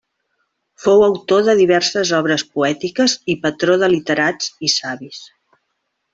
Fou autor de diverses obres poètiques i patró de literats i savis.